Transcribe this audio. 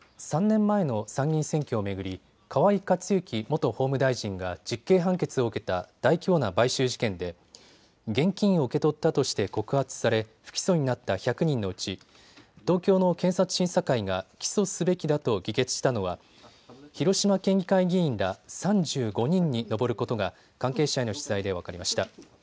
３年前の参議院選挙を巡り河井克行元法務大臣が実刑判決を受けた大規模な買収事件で現金を受け取ったとして告発され不起訴になった１００人のうち東京の検察審査会が起訴すべきだと議決したのは広島県議会議員ら３５人に上ることが関係者への取材で分かりました。